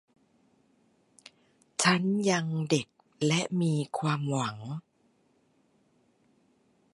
ฉันยังเด็กและมีความหวัง